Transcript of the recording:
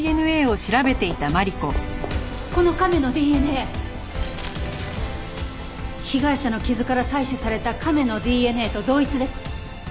この亀のＤＮＡ被害者の傷から採取された亀のＤＮＡと同一です。